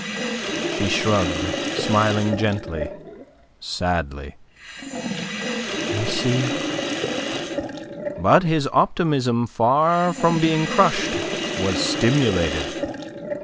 She shrugged, smiling gently, sadly. "You see..." But his optimism far from being crushed was stimulated.